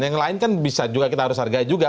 yang lain kan bisa juga kita harus hargai juga